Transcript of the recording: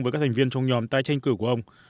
với các thành viên trong nhóm tái tranh cử của ông